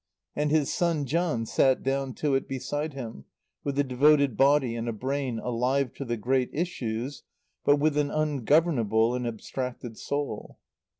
And his son John sat down to it beside him, with a devoted body and a brain alive to the great issues, but with an ungovernable and abstracted soul.